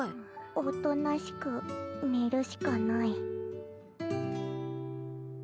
おとなしく寝るしかない。